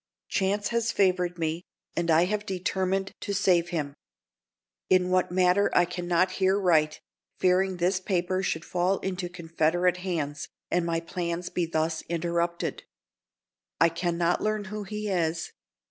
Chance has favored me, and I have determined to save him. In what manner I can not here write, fearing this paper should fall into Confederate hands, and my plans be thus interrupted. I can not learn who he is.